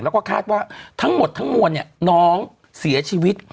แล้วก็คาดว่าทั้งหมดทั้งมวลเนี่ยน้องเสียชีวิต